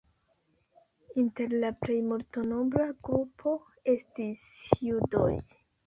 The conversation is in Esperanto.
Inter la plej multnombra grupo estis judoj.